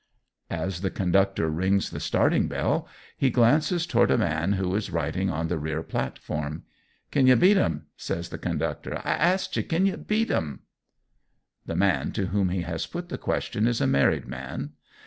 As the conductor rings the starting bell, he glances toward a man who is riding on the rear platform. "Kin you beat 'um?" says the conductor. "I ast you kin you beat 'um?" The man to whom he has put the question is a married man.